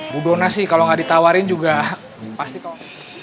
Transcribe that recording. bu dona sih kalau gak ditawarin juga pasti kau